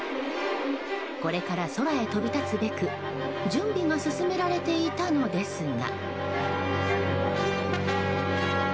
これから空へ飛び立つべく準備が進められていたのですが。